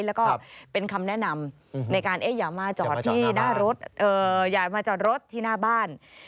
แล้วก็เป็นคำแนะนำในการอย่ามาจอดที่หน้าบ้าน